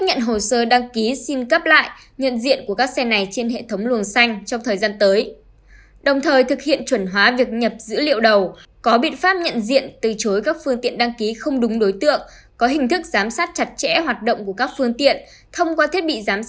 hãy đăng ký kênh để ủng hộ kênh của chúng mình nhé